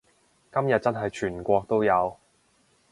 今日真係全國都有